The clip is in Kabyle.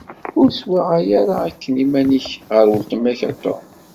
Ur swaɣay ara akken iman-ik ɣer uletma-k a Tom.